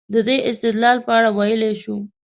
د دې استدلال په اړه ویلای شو.